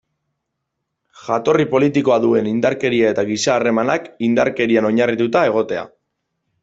Jatorri politikoa duen indarkeria eta giza harremanak indarkerian oinarrituta egotea.